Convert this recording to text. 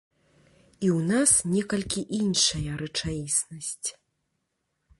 І ў нас некалькі іншая рэчаіснасць.